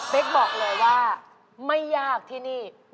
บอกเลยว่าไม่ยากที่นี่